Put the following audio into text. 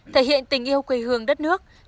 thể hiện tình yêu quê hương đất nước